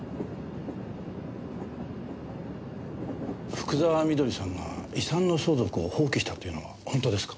福沢美登里さんが遺産の相続を放棄したというのは本当ですか？